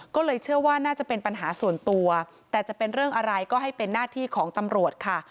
ก็เลยเชื่อว่าน่าจะเป็นปัญหาส่วนตัวแต่จะเป็นเรื่องอะไรก็ให้เป็นหน้าที่ของตำรวจค่ะ